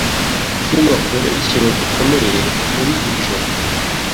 Ntugakore ikintu gikomeye muri iri joro.